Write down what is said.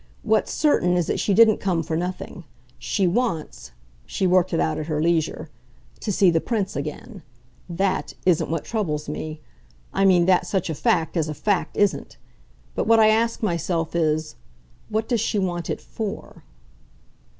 What's certain is that she didn't come for nothing. She wants" she worked it out at her leisure "to see the Prince again. THAT isn't what troubles me. I mean that such a fact, as a fact, isn't. But what I ask myself is, What does she want it FOR?"